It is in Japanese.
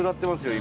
今。